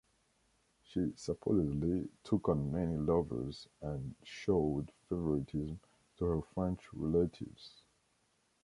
She supposedly took on many lovers and showed favouritism to her French relatives.